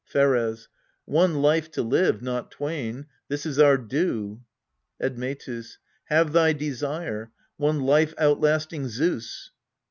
Pheres. One life to live, not twain this is our due. Admetus. Have thy desire one life outlasting Zeus.